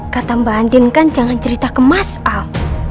kata mbak andien kan jangan cerita kemas al